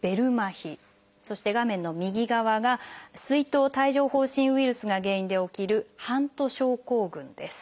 そして画面の右側が水痘・帯状疱疹ウイルスが原因で起きる「ハント症候群」です。